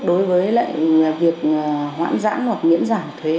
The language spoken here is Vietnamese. đối với lại việc hoãn giãn hoặc miễn giãn